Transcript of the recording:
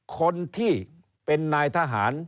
คนที่เป็นนายทหาร